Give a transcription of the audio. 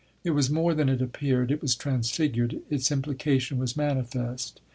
It was more than it appeared; it was transfigured; its implication was manifest.